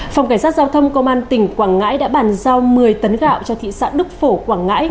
phòng cảnh sát giao thông công an tỉnh quảng ngãi đã bàn giao một mươi tấn gạo cho thị xã đức phổ quảng ngãi